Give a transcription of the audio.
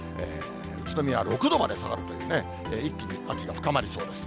宇都宮は６度まで下がるというね、一気に秋が深まりそうです。